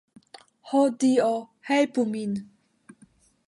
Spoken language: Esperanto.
Ho Dio, helpu min!